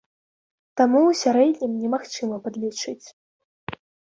Таму ў сярэднім немагчыма падлічыць.